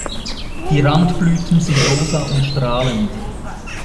Die Randblüten sind rosa und strahlend.